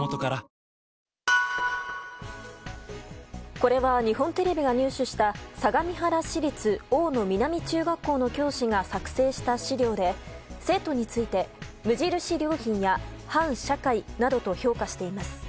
これは、日本テレビが入手した相模原市立大野南中学校の教師が作成した資料で生徒について無印良品や反社会などと評価しています。